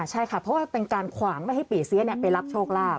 ใช่ค่ะเพราะว่าเป็นการขวางไม่ให้ปี่เสียไปรับโชคลาภ